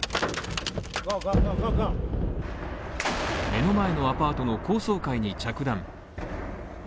目の前のアパートの高層階に着弾。